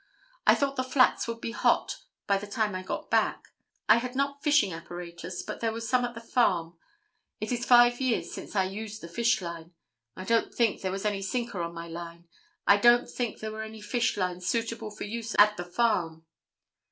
I thought the flats would be hot by the time I got back. I had not fishing apparatus, but there was some at the farm. It is five years since I used the fish line. I don't think there was any sinker on my line. I don't think there were any fish lines suitable for use at the farm."